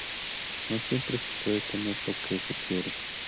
No siempre se puede tener lo que se quiere.